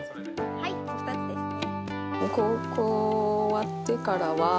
はいお二つですね。